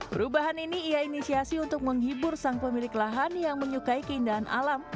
perubahan ini ia inisiasi untuk menghibur sang pemilik lahan yang menyukai keindahan alam